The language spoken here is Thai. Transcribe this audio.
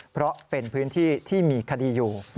เพราะเป็นพื้นที่ที่มีคดีอยู่